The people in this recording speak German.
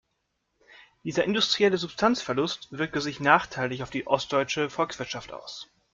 Dieser industrielle Substanzverlust wirkte sich nachteilig auf die ostdeutsche Volkswirtschaft aus.